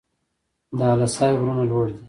د اله سای غرونه لوړ دي